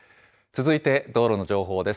続いて、道路の情報です。